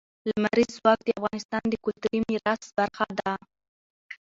لمریز ځواک د افغانستان د کلتوري میراث برخه ده.